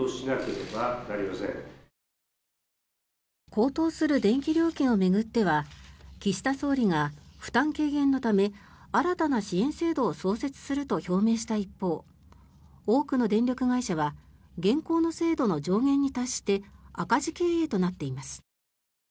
高騰する電気料金を巡っては岸田総理が負担軽減のため新たな支援制度を創設すると表明した一方多くの電力会社は現行の制度の上限に達して赤字経営となっています。